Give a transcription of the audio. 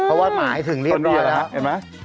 เพราะว่าหมาให้ถึงเรียบร้อยแล้วเห็นไหม